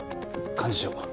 ・幹事長。